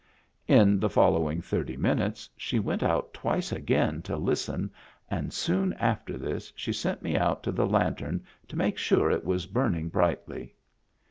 In the following thirty minutes she went out twice again to listen and soon after this she sent me out to the lantern to make sure it was burning brightly.